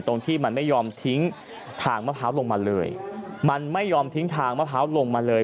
ตรงที่มันไม่ยอมทิ้งทางมะพร้าวลงมาเลยมันไม่ยอมทิ้งทางมะพร้าวลงมาเลย